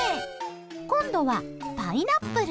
今度はパイナップル。